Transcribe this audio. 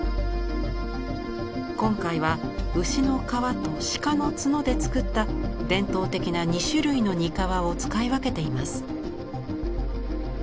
今回は牛の皮と鹿の角で作った伝統的な２種類の膠を使い分けています。